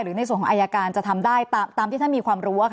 ในส่วนของอายการจะทำได้ตามที่ท่านมีความรู้